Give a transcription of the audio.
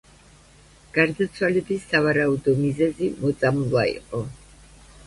გარდაცვალების სავარაუდო მიზეზი მოწამვლა იყო.